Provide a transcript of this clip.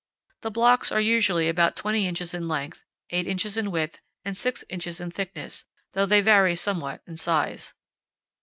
The blocks are usually about twenty inches in length, eight inches in width, and six inches in thickness, though they vary somewhat in size.